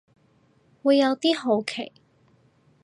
會有啲好奇